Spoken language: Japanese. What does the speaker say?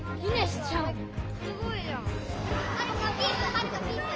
はるかピース！